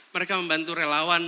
mereka membantu relawan